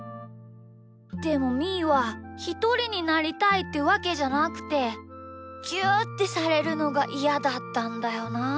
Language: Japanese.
でもみーはひとりになりたいってわけじゃなくてぎゅうってされるのがイヤだったんだよなあ。